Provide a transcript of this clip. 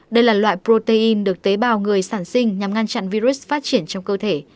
đây là loại protein được tế bào người sản sinh nhằm ngăn chặn virus phát triển trong cơ thể